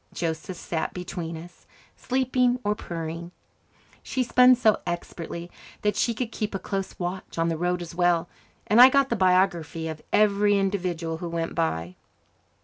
Joseph sat between us, sleeping or purring. She spun so expertly that she could keep a close watch on the road as well, and I got the biography of every individual who went by.